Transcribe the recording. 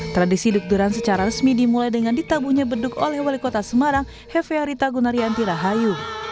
tradisi duk duran secara resmi dimulai dengan ditabuhnya beduk oleh wali kota semarang hefearita gunaryanti rahayu